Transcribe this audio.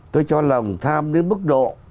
tôi cho lòng tham đến mức độ